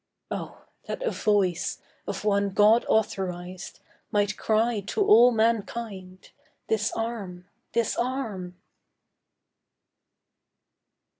Oh, that a Voice, of one God authorised Might cry to all mankind, Disarm! Disarm!